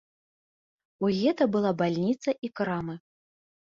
У гета была бальніца і крамы.